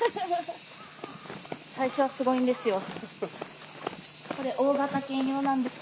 最初はすごいんですよ。